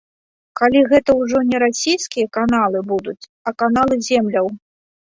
Калі гэта ўжо не расійскія каналы будуць, а каналы земляў.